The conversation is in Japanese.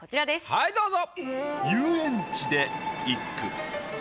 はいどうぞ。